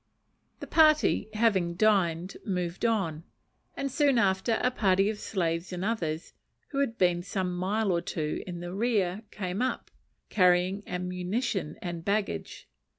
The party, having dined, moved on; and soon after a party of slaves and others, who had been some mile or two in the rear, came up, carrying ammunition and baggage.